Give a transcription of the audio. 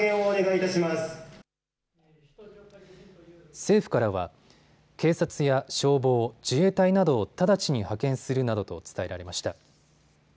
政府からは警察や消防自衛隊などを直ちに派遣するなどと伝えられました。